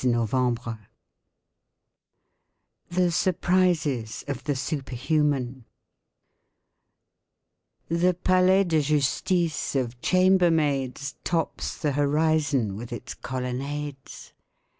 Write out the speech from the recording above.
(26 novembre) The Surprises of the Superhuman The palais de justice of chambermaids Tops the horizon with its colonnades.